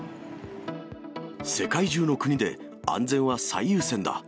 世界中の国で安全は最優先だ。